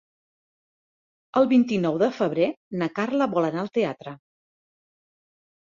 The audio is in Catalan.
El vint-i-nou de febrer na Carla vol anar al teatre.